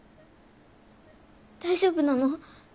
大丈夫なの？